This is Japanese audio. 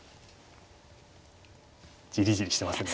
ジリジリしてますね。